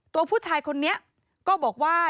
ตัวผู้ชายคนนี้ก็บอกว่า